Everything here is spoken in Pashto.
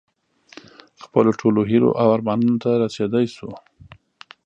خپلو ټولو هیلو او ارمانونو ته رسېدی شو.